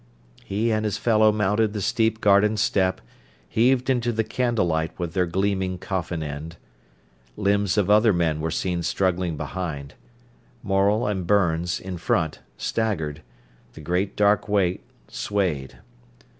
He and his fellow mounted the steep garden step, heaved into the candlelight with their gleaming coffin end. Limbs of other men were seen struggling behind. Morel and Burns, in front, staggered; the great dark weight swayed.